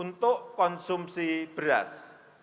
untuk konsumsi beras